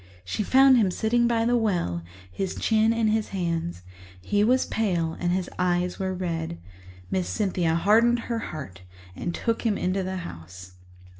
She found him sitting by the well, his chin in his hands; he was pale and his eyes were red. Miss Cynthia hardened her heart and took him into the house.